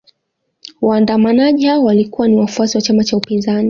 Waandamanaji hao walikuwa ni wafuasi wa chama cha upinzani